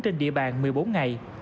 trên địa bàn một mươi bốn ngày